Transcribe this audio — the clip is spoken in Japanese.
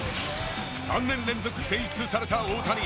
３年連続、選出された大谷。